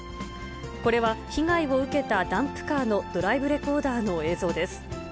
これは被害を受けたダンプカーのドライブレコーダーの映像です。